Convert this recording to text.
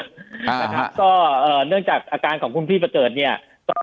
ครับครับก็เอ่อเนื่องจากอาการของคุณพี่ประเจิดเนี่ย